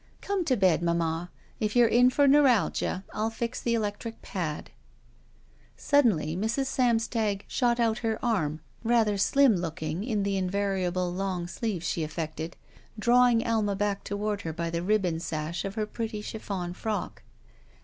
"Come to bed, mamma. K you're in for neu ralgia, I'll fix the electric pad." Suddenly Mrs. Samstag shot out her arm, rather slim looking in the invariable long sleeve she aflEected, drawing Alma back toward her by the ribbon sash of her pretty chiflEon frock.